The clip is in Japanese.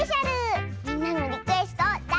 みんなのリクエストをだ